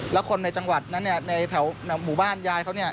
แล้วคนในจังหวัดนั้นในแถวหมู่บ้านยายเขาเนี่ย